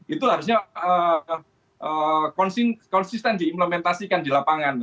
itu harusnya konsisten diimplementasikan di lapangan